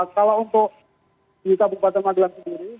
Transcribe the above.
kalau untuk di kabupaten magelang sendiri